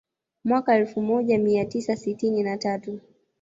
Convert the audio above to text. Mwaka elfu moja mia tisa sitini na tatu